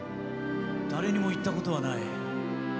誰にも言ったことはない。